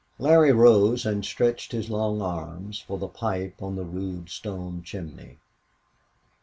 Larry rose and stretched his long arms for the pipe on the rude stone chimney.